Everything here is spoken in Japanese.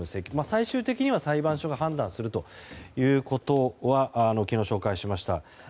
最終的には裁判所が判断するということは昨日、紹介しました。